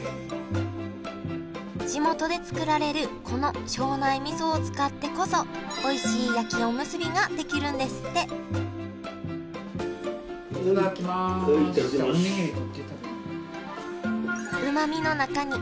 地元で作られるこの庄内みそを使ってこそおいしい焼きおむすびが出来るんですっておにぎり取って食べる。